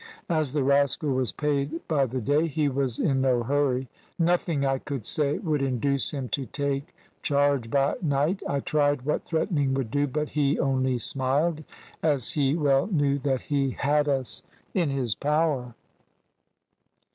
As the rascal was paid by the day he was in no hurry; nothing I could say would induce him to take charge by night. I tried what threatening would do, but he only smiled, as he well knew that he had us in his power.